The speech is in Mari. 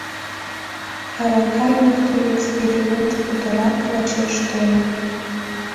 Арака йӱктымӧ эксперимент путырак лачеш тольо.